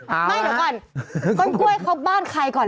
ไม่เดี๋ยวก่อนกล้วยเขาบ้านใคร